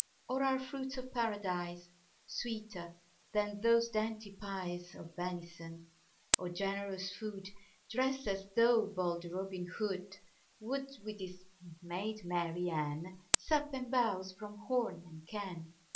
Or are fruits of Paradise Sweeter than those dainty pies Of venison? O generous food! Drest as though bold Robin Hood 10 Would, with his maid Marian, Sup and bowse from horn and can.